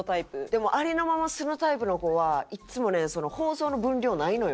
でもありのまま素のタイプの子はいつもね放送の分量ないのよ。